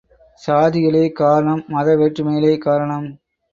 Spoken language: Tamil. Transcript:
சாதிகளே காரணம் மத வேற்றுமைகளே காரணம்.